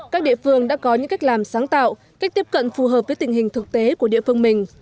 các địa phương đã có những cách làm sáng tạo cách tiếp cận phù hợp với tình hình thực tế của địa phương mình